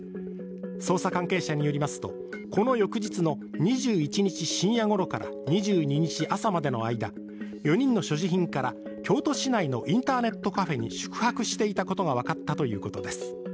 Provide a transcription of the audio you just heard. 捜査関係者によりますとこの翌日の２２日深夜ごろから２２日朝までの間、４人の所持品から京都市内のインターネットカフェに宿泊していたことが分かったということです。